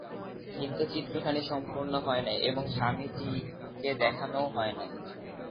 কিন্তু চিত্রখানি সম্পূর্ণ হয় নাই, এবং স্বামীজীকে দেখানও হয় নাই।